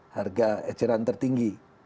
harga eceran tertinggi